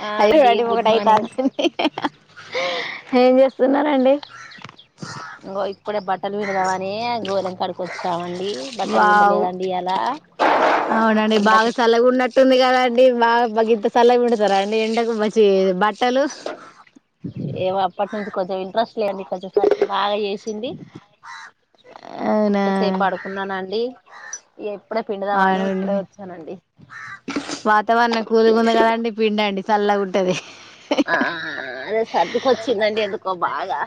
ఆ అయ్యో అండి అడి గుడ్ ఒకటి మార్నింగ్ అయితాంది ఏం చేస్ ఇంగో ఇప్పుడే బట్టలు పిండుదామన్ నే గోరం కడు వావ్ ఇయాల అవునండి బాగా ఎండకు సల్లగున్నట్టుంది కదాండి బాగ బాగింత సల్లగా పిండుతారండి అంటే ఎండకు మంచి బట్ ఏవ అప్పార్ట్మెంట్ కొంచెం ఇంట్రెస్ట్ లేండి కొంచెం ఫె బాగా చేసింది అవునా సేపు పడుకున్నానండి ఏ ఇప్పుడే పిడుదావా అని అవునండి ఇప్పుడే వచ్చానండి ఆ వాతావరణం కూలుగా ఉంది కదండి పిండ అండి చల్లగా ఉంటది ఆ అదే సర్దికిచ్చిందండి ఎందుకో బాగా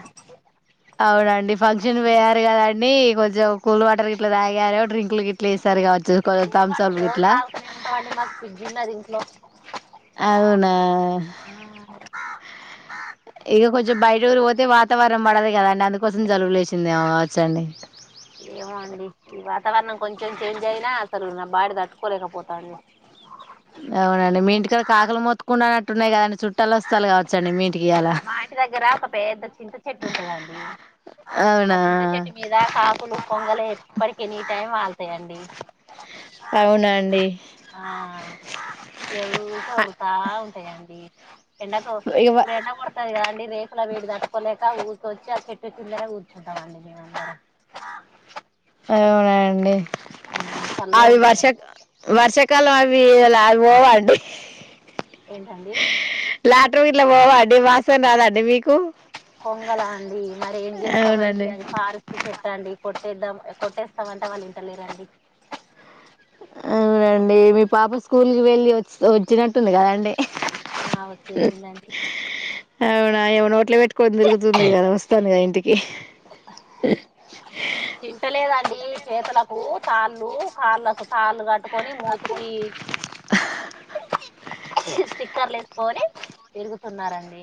అవునండి ఫంక్షన్ వయారు కదఅండి కొంచెం కూల్ వాటర్ గిట్లా తాగారు డ్రింకులు గ ఇట్లా ఇస్తారు కావచ్చు కొంచెం పూర్వా థమ్స్ అప్ రజ గిట్లా నాలుకనే ఉంటా వాండి మ ఫిజ్ిది హలో అన్న ఇక కొంచెం బయట ఊరు పోతే వాతావరం పడదు కదండి అందుకోసం జలువులేసిందిేమవచ్చండి ఏమో అండి ఈ వాతావరణం కొంచెం చేంజ్ అయినా అసలు నా బాడి తట్టుకోలేకపోతాడు అవునండి మీ ఇంటికాడ కాకులు మొత్కుండా అన్నటున్నాయి కదాం చుట్ట మాంటి దగ్గర ఒక పెద్ద చింత చెట్టు ఉంటుందండి ఆ అవునా చింత చెట్టు మీద కాకులు కొంగలు ఎప్పటికి ఎనీ టైం వా అస్తే అండి అవునండి ఆ ఎ ఉరుతా ఉ అంది ఎంట త ఇక వ ప్ర కొడత అండి రేకుల వేడి తట్టుకోలేక ఊర్కొచ్చి ఆ చెట్టు కిందల కూర్చుంటామండి మేమందరం అ అవున అండి ఉమ్ చల్లగా అవి వర్షక్ ఉంటదండి వర్షక్ కలో అవిలా పోవడి ట్ [unintelligible] ఇలా పోవ కొంగల అండి మరి ఏం చేస్తామండి అవునండి అది పార్స్ పెట్టండి కొట్టేద్దాం కొట్టేస్తామంట వాళ్ళు ఇంటలేరండి అవునండి మీ పాప స్కూల్కి వెళ్ళి వచ్చి వచ్చినట్టుంది కదా అండి అ వచ్చేతుందండి ట్ట్ [unintelligible] కొని తరుగుతుంది కదా వస్తంది గ ఇంటికి తింటలేదా అండి చేతులకు తాళ్లు కాళ్ళకు తాళ్లు కట్టుకొని మూతికి స్టిక్కర్లు యేసుకొని తిరుగుతున్నారండి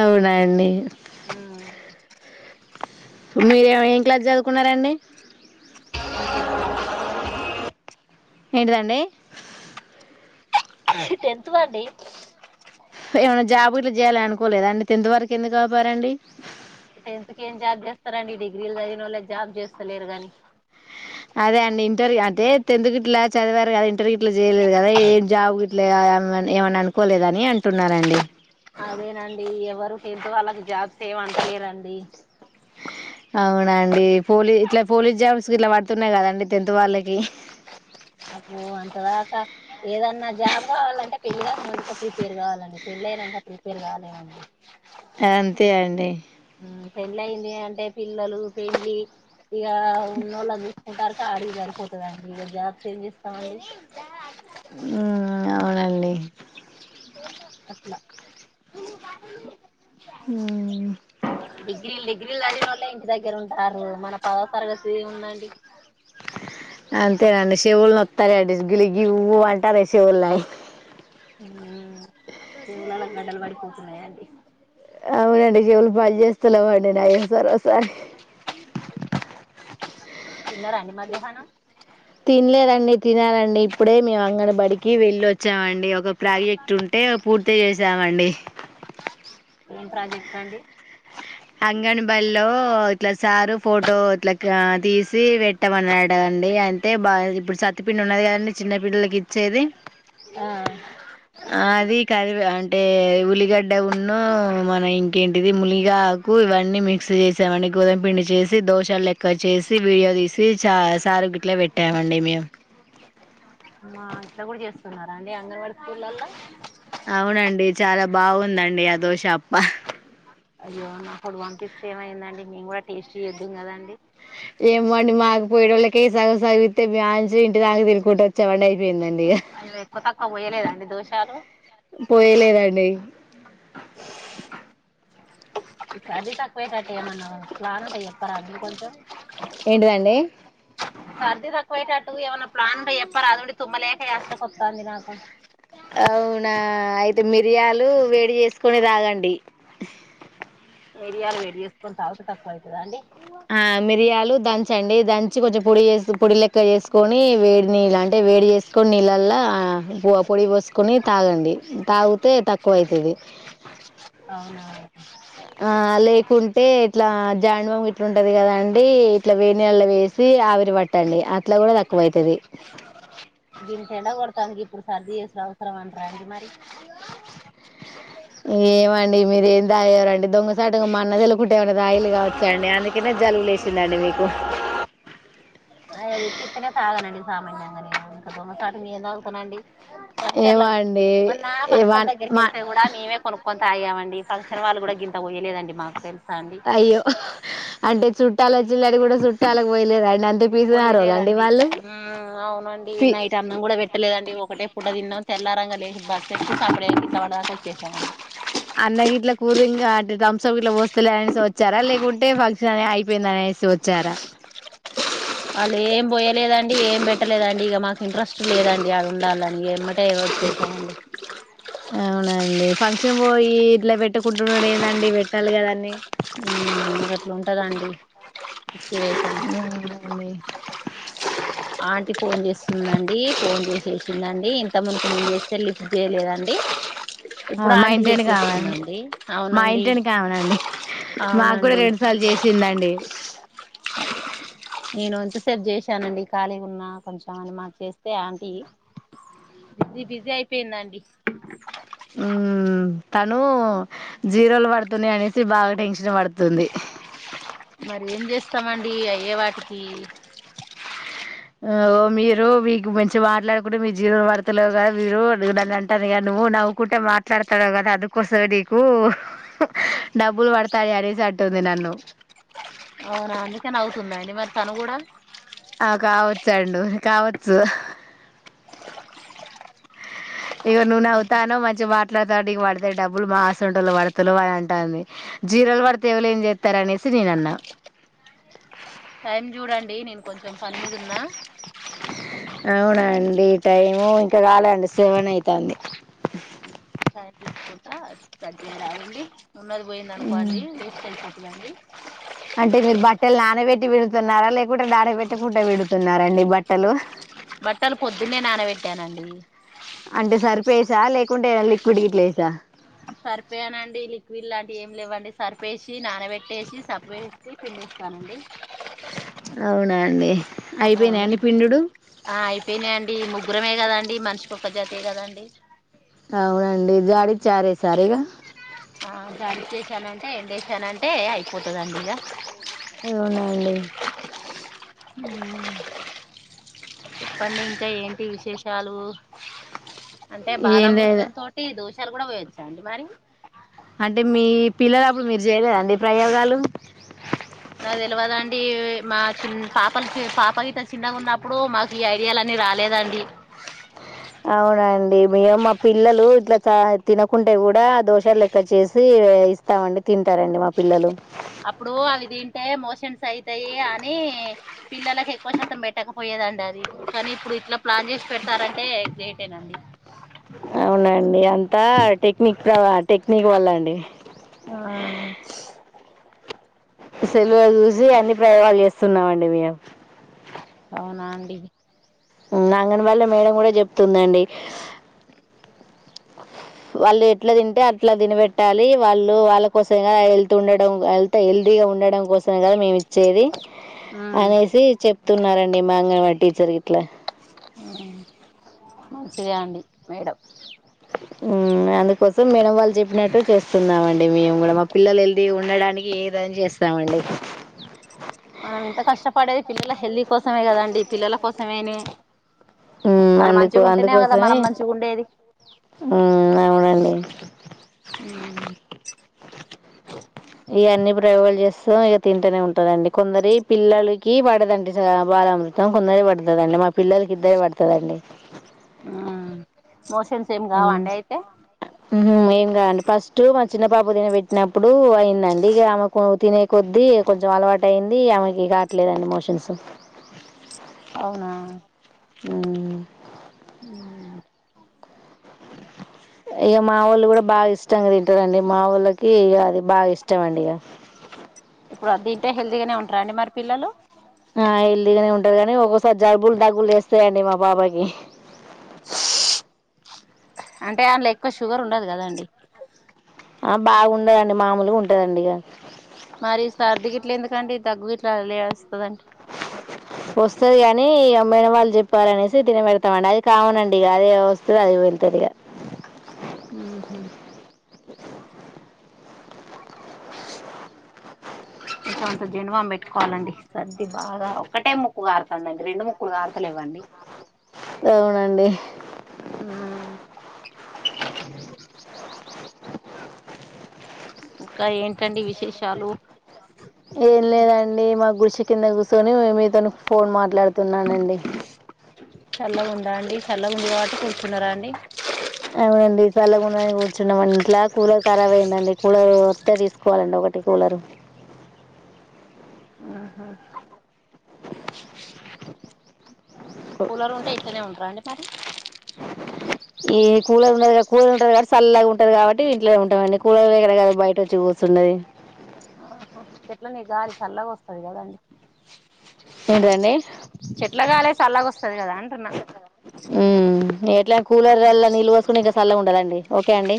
అవునా అండి హ్మ్ మీరు ఏమో ఏం క్లాస్ చదువుకున్నారండి ఇంక ఇంత వరకు లేదండి ఏంటిదండి టెన్త్ వండి ఏమన్నా జాబు ఇట్ల చేయ్యాలి అనుకోలేద అండి టెన్త్ వరకు ఎందుకు ఆపారండి టెన్త్ కి ఏం జాబ్ చేస్తారండి డిగ్రీలు చదివినోల్లే జాబ్ చేస్తలేరు గానీ అదే అండి ఇంటర్వ్యూ అంటే టెన్త్ గిట్ల చదివారు గాద ఇంటర్వూ జేయలేదు కదా ఏం జాబు లే ఆ ఏమన్ ఏమన్నా అనుకోలేదని అంటున్నారండి అదేనండి ఎవరు టెన్త్ వాళ్ళకి జాబ్స్ లేవు అంటలేరండి అవునండి పోలీ ఇట్లా పోలీస్ జామ్స్కి ఇట్లా పడుతున్నాయి కదండి టెన్త్ వాళ్ళకి ఆబో అంతదాకా ఏదన్నా జాబ్ కావాలంట పెళ్లి కాకముందే ప్రిపేర్ కావాల పెళ్లయినంక ప్రిపేర్ కాలేమండి అంతే అండి పెళ్ళయింది అంటే పిల్లలు పెండ్లి ఇగ ఉన్నోళ్లు చూసుకుంటారు ఇక ఆడికి సరిపోతదండి ఇగ జాబ్స్ ఏం చేస్తామనేది ఉమ్ అవునండి అట్లా ఉ డిగ్రీలు డిగ్రీలు చదివినోల్లే ఇంటి దగ్గర ఉంటారు మన పదో తరగతి ఏం ఉండండి అంతేనండి శివుల్ నత్తునయండీ గిలుగి ఊ అంటున్నాయి చెవులు నాయి ఉ చెవులలో గడలు పడిపోతున్నాయా అండి అవునండి చెవులు పని చేస్తలేవండి నాయి ఓసారి ఓసారి తిన్నారండి మధ్యాహ్నం తినలేదండి తినాలండి ఇప్పుడే మేము అంగన బడికి వెళ్లొచ్చామండి ఒక ప్రాజెక్ట్ ఉంటే పూర్తి చేసామండి ఏం ప్రాజెక్ట్ అండి అంగనమ్ బడీలో ఇట్లా సారు ఫోటో ఇట్లా ఆ తీసి పెట్టమన్నాడండి ఆ అయితే బా ఇప్పుడు సత్తిపిండి ఉన్నది కదండి చిన్న బిడ్డలకి ఇచ్చేది ఆ అది కది అన్ టె ఉల్లిగాడ్ డ ఉన్ను మన ఇం కంటిది ములిగాక్ కు ఇవన్నీ మిక్స్ చేసామండి గదం పిండి చేసి దోశాలు లేక్ ఇక్క చేసి వీడియో తీసి చ సారు గిట్లా పెట్ [unintelligible] మేము మా ఇట్లా కూడా చేస్తున్నారా అండి అంగన్వాడ స్కూలళ్లలో అవునండి చాలా బాగుందండి ఆ దోష అప్ప అయ్యో నాకుడు పంపిస్తే ఏమైందండి మేము కూడా టేస్ట్ చేద్దుం కదాండి ఏమోండి మాకు పోయేటోళ్ళకే సగు సగివిస్తే బ్యాంస ఇంటి దాకా తిరుగుకుంట వచ్చ చవండి అయిపోయిందండి ఇగ అవి ఎక్కువ తక్కువ పోయలేదండి దోషాలు హ్మ్ అది తక్కువే కట్టే మనం లాంట చెప్పరాం కొంచెం ఏంటిదండి సర్ది తక్వైట్ అటు ఎవన్న ప్లాన్ అయ్యప్పరా అద నుండి తుమ్ లేఖ చేస్తా కొత్తా అంది నాక అవునా అయితే మిరియాలు వేడి చేసుకొని తాగండి వేడియాలు వేడి చేసుకని తాగుత తక్కువవుతుంద అండి ఆ మిరియాలు దంచండి దంచి కొంచెం పొడి పొడి లెక్క చేసుకొని వేడిని అంటే వేడి చేసి కొన్నిళ్లలా పొడి పోసుకొని తాగండి తాగితే తక్కువ అైతుది అవునా ఆ లేకుంటే ఇట్లా జానవి అట్లుంటది కదండి ఇట్లా వేడిళ వేసి ఆవిరి పట్టండి అట్లా కూడా తక్కువ అైతుది దీని తండ కొడతా ఇప్పుడు సర్ది చేసిన అవసరం అంటార అండి మరి ఏమండి మీర ఏం దాయవరండి దొంగసాటగా అన్న తెలు కుట్టేమన్నా దాయిలుగా వచ్చాయంండి అందుకనే జలుగులేసిందండి మీకు అది చిత్తనే తాగనండి సామాన్యంగానే ఇంకా దొమ చాటు మీ ఏం త అగుతున్నాండి ఏమో ఫంక్షన్ల అండి మొన్నా ఏ ఫంక్షన్ వన్ మా దగ్గగికిలతే కూడాడా మ మీవే కొనుకొ తాయామండి ఫంక్షన్ వాళ్ళు కూడా గింత పోయ్యలేదండి మాకు తెలి అయ్యో అంటే చుట్టాల వచ్చినడు కూడా చుట్టాలకు పోయలే అం అంత పిసినారోళ్ళండి పోయలేదండి వాళ్ళు అవునండి పి నైట్ అన్నం కూడా పెట్టలేదండి ఒకటే పూట తిన్న తెల్ల రంగ లేసి బట్లు ఊటు అన్న వీట్ల కూరుంగా థమ్స్ప్ ఇలా వస్తలే అనేసి వచ్చారా లేకుంటే ఫంక్షన్ అ అయిపోయింద అనేసి వచ్చారా వాళ్ళు ఏం పోయలేదండి ఏం పెట్టలేదండి ఇక మాకు ఇంట్రెస్ట్ లేదండి అది ఉండాలని ఏమటే చేసండి అవునండి ఫంక్షన్ పోయి ఇట్లా పెట్టుకుంటున్నాడు ఏందండి పెట్టాలి కదా అీ ఆ మీక ఎట్లా ఉంటదా అండి సిట్యుషన్ అవునండి ఆంటకి ఫోన్ చేస్తుందండి ఫోన్ చేసేసిందండి ఇంతముందుకు మేము చేస్తే లిఫ్ట్ చేయలేదండి ఇప్పుడు మా ఆంటీ ఇంటిని వెనక ఆమె చేసేస్తుందండి అవునండి ఇంటిని కావనండి మాకు కూడా అవునండి రెండుసార్లు చేసిందండి నేను ఎంతసేపు చేశానండి ఖాళీగా ఉన్నా కొంచెం అని మాకు చేస్తే ఆంటీ బిజీ బిజీ అయిపోయిందండి ఉ తను జీరోలు పడుతున్నాయి అనేసి బాగా టెన్షన్ పడుతుంది మరి ఏం చేస్తామండి అయ్యే వాటికి ఓ మీరు మీకు మంచి మాట్లాడుకుంటే మీ జీవులు పడతలేవు కదా మీరు నన్ను అంటాను కద నువ్వు నవ్వుకుంటే మాట్లాడతాడవ కదా అందుకోసం నీకు డబ్బులు పడతాయి అనేసి అటుంది నన్ను అవునా అందుకని అవుతుందండి మరి తను కూడా ఆ కావచ్చు అండు కావచ్చు ఇక నువ్వు నవ్వుతాన్నవు మంచి మాటలాడతాడు ఇక పడతే డబ్బులు మాసంటలు పడతలు అని అంటాంది జీరలు పడితే ఎవలే ఏం చేస్తారు అనేసి నేన అన్నా టైం చూడండి నేను కొంచెం పని మీదున్నా అవున అండి టైము ఇంకా కాలే అండి సెవెన్ అయితుంది టైమ్ చూసుకుంట అద్దలా ఉండి ఉన్నది పోయింది అనుకోండి తీసుకెళ్ ఇలాండి అంటే మీరు బట్టలు నాన పెట్టి విడుతున్నారా లేకుంటడా నానా పెట్టికుంట విడుతున్నారండి బట్టలు బట్టలు పొద్దున్నే నానబెట్టానండి [inaudible] అంటే సరిప వేసా లేకుంటే లిక్విడ్ గిట్ల వసా సరిపోయానండి లిక్విడ్ లాంటి ఏ లేవండి సరిపేసి నానబెట్టేసి సబ్బు వేసి పిండిస్తానండి అవునా అండి అయిపోయినాయా అవును అండి పిండుడు అయిపోయాయి అండి ముగ్గురమే కదండీ మనిషికి ఒక జతే కదండీ అవునండి జాడిచ్చారేసారుగా చాటింగ్ చేసానంటే ఎండసానంటే అయిపోతుందిండి ఇక అవునాండి చెప్పండి ఇంకా ఏంటి విశేషాలు అంటే ఏం లేదు బాలామృతం తోటి దోష లు కూడా పోయొచ్చా అండి మరి అంటే మీ పిల్లల అప్పుడు మీరు జయలేదండి ప్రయోగాలు నా తెలియదండి మా చి పాపలు పాప గత చిన్నగా ఉన్నప్పుడు మాకు ఈ ఐడియాలన్నీ రాలేదండి అవునండి మేము మా పిల్లలు ఇట్లా చ తినకుంటే కూడా దోషాలు లెక్క చేసి ఇస్తామండి తింటారండి మా పిల్లలు అప్పుడు అవి తింటే మోషన్స్ అయితాయి అని పిల్లలలకు ఎక్కువ శాతం పెట్టకపోయేదండి అది కానీ ఇప్పుడు ఇట్లా ప్లాన్ చేసి పెడతారంటే గ్రేట్ అండి అవునండి అంతా టెక్నిక్ ప్రవాత టెక్నిక్ వల్ల అండి ఆ సెలవు చూసి అన్ని ప్రయోగాలు చేస్తున్నామండి మేము అవునా అండి అంగన వాళ్ల్ల మేడం కూడా చెప్ స్తుందండి వాళ్ళు ఎట్లా తింటే అట్లా తినబెట్టాలి వాళ్ళు వాళ్ళ కోస హెల్త్ ఉండడం హల్త్ హెల్దీగా ఉండడం కోసంమే కదా మేము ఇచ్చేది ఉమ్ అనేసి చెప్తున్నారండి మాంగనవాడి టీచర్ ఇట్లా ఆ మంచిదే అండి మేడం హ్మ్. అందుకోసం మేడం వాళ్ళు చెప్పినట్టు చేస్తున్నామండి మేము మేడం మా పిల్లలు హెల్దీ ఉండడానికి ఏదని చేస్తామ అండి మనం ఎంత కష్టపడేది పిల్లల హెల్ద ఉ వాళ్ళు అందుకు మంచిగా ఉంటేనే కదా అందుకోసమే మనం మంచిగా ఉండేది ఉ అవునండి ఇ అన్ని ప్రయోగాలు చేస్తూ ఇక తింటూనే ఉంటదండి కొందరి పిల్లలకి పడదండి బాలా అమృతం కొందరి పడుతుందండి మా పిల్లలకి ఇద్దరికి పడుతుందండి ఉ మోషన్స్ ఏం కావండి అయితే ఉ ఏం కాదండి ఫస్ట్ మా చిన్న పాపకు తినబెట్టినప్పుడు అయిందండి ఇక ఆమెకు తినే కొద్దీ కొంచెం అలవాటు అయింది ఆమెకి కావట్లేదండి మోషన్స్ అవునా ఉ ఉ ఇగ మా ఓఊళ్ళు కూడా బాగా ఇష్టంగా తింటారండి మా ఊళ్ళకి ఇగ అది బాగా ఇష్టం అండి ఇగా ఇప్పుడు ఆది తింటే హెల్దీగానే ఉంటార అండి మరి పిల్లలు ఆ ఎల్దిగానే ఉంటాది గానీ ఒక్కోసారి జబ్బులు దగ్గులు లేస్తాయండి మా బాబాకి అంటే అండ్ల ఎక్కువ షుగర్ ఉండదు కదాండి ఆ బాగుండదండి మామూలుగా ఉంటదండి ఇగ మరి సర్ది గట్లు ఎందుకండి దగ్గుగిట్లు అ వస్తుందండి వస్తుది ఇగా అమేడం వాళ్ళు చెప్పారనేసి తినబెడతామండి అది కామనండి ఇగా అదే వస్తుంది అది వెళ్తుంది ఇక ఊహు ఇ కొంత జనుమా పెట్టుకోవాలండి సర్ది బాగా ఒకక్కటే ముక్కుగా ఆారతలుందండి రెండు ముక్కులుగా కరతలే ఇవండి అవునండి ఉ ఇంకా ఏంటండి విశేషాలు ఏం లేదండి మా గుశ కింద కుసోని మీతో ఫోన్ మాట్లాడుత తున్నానండి చల్లగా ఉందా అండి చల్లగా ఉందకబాటే కూర్చున్నరా అండి అవునండి చల్లకుండాని కూర్చున్నాం ఇంట్లా కూలర్ ఖరాబ్ అయిందండి కూలర్ వస్తే తీసుకోవాలండి ఒకటి కూలరు ఆహా కూలర్ ఉంటే ఇంట్లనే ఉంటరా అండి మరి ఈ కూలర్ ఉండది కూలర్ ఉంటది కాటి సల్లాగా ఉంటది కాబట్టి ఇంట్లో ఉంటామండి కూలర్ ఎక్కడ కాదుా బయట వచ్చి కూస్తున్నది ఎట్ల నీ గాలి చల్లాగా వస్తది కదండి ఏంటిదండీ చెట్లాగాలే సలాగా వస్తా సర కాదా అంటున ఉ ఎట్లా కూలర్లా నీళ్ళు పోసుకుని ఇంకా సల్ల ఉండదండి ఓకే అండి